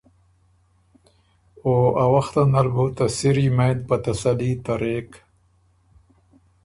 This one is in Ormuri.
او ا وخته نل بُو ته سِر یمېند په تسلي ترېک۔